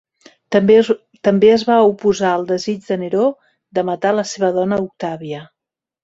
També es va oposar al desig de Neró de matar la seva dona Octàvia.